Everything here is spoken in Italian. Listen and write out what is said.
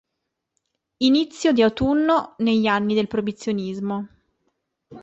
Inizio di autunno negli anni del Proibizionismo.